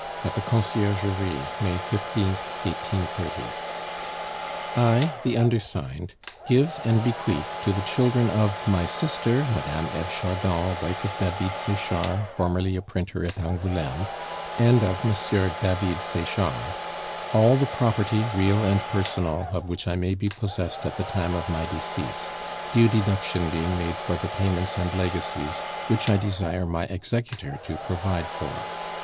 "AT THE CONCIERGERIE, May 15th, 1830. "I, the undersigned, give and bequeath to the children of my sister, Madame Eve Chardon, wife of David Sechard, formerly a printer at Angouleme, and of Monsieur David Sechard, all the property, real and personal, of which I may be possessed at the time of my decease, due deduction being made for the payments and legacies, which I desire my executor to provide for.